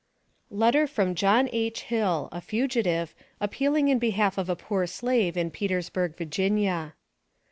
LETTER FROM JOHN H. HILL, A FUGITIVE, APPEALING IN BEHALF OF A POOR SLAVE IN PETERSBURG, VA.